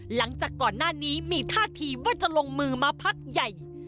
หลังจากก่อนหน้านี้มีท่าทีว่าจะลงมือมาพักใหญ่